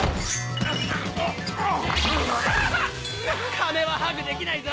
金はハグできないぞ！